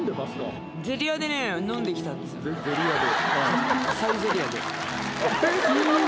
ゼリヤで？